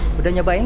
sudah mencoba belum